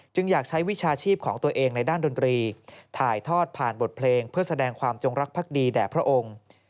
อยากใช้วิชาชีพของตัวเองในด้านดนตรีถ่ายทอดผ่านบทเพลงเพื่อแสดงความจงรักภักดีแด่พระองค์